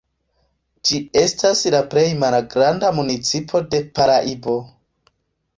Ĝi estas la plej malgranda municipo de Paraibo.